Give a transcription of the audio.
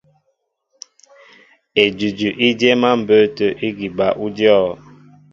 Edʉdʉ í dyɛ́ɛ́m á mbə̌ tə̂ ígi bal ú dyɔ̂.